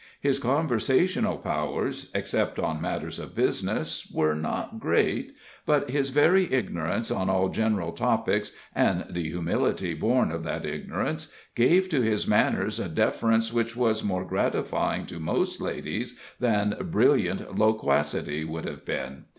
His conversational powers except on matters of business were not great, but his very ignorance on all general topics, and the humility born of that ignorance, gave to his manners a deference which was more gratifying to most ladies than brilliant loquacity would have been.